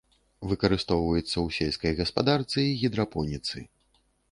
Выкарыстоўваецца ў сельскай гаспадарцы і гідрапоніцы.